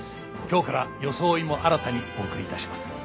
今日から装いも新たにお送りいたします。